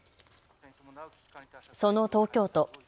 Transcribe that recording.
その東京都。